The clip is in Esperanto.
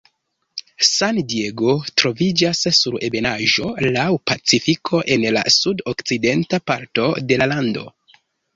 San-Diego troviĝas sur ebenaĵo laŭ Pacifiko en la sud-okcidenta parto de la lando.